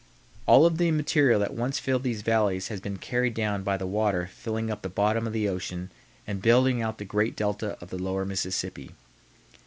All of the material that once filled these valleys has been carried down by the water filling up the bottom of the ocean and building out the great delta of the lower Mississippi.